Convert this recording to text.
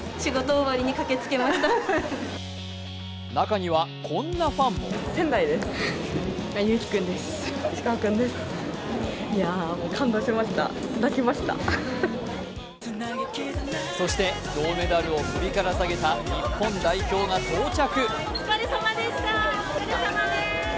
中には、こんなファンもそして、銅メダルを首から下げた日本代表が到着。